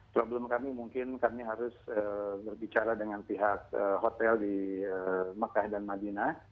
problem kami mungkin kami harus berbicara dengan pihak hotel di mekah dan madinah